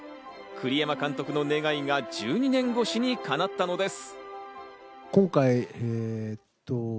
栗山監督の願いが１２年越しに叶ったのです。